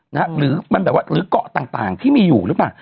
หรือมันแบบว่าหรือเกาะต่างที่มีอยู่หรือเปล่า